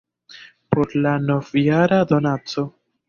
por la nov-jara donaco